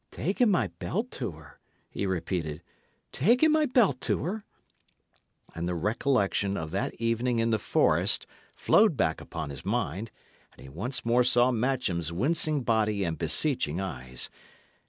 "Ta'en my belt to her!" he repeated. "Ta'en my belt to her!" And the recollection of that evening in the forest flowed back upon his mind, and he once more saw Matcham's wincing body and beseeching eyes.